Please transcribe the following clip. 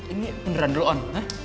ini beneran dulu on